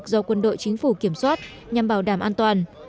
các khu vực do quân đội chính phủ kiểm soát nhằm bảo đảm an toàn